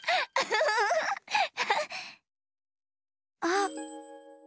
あっ！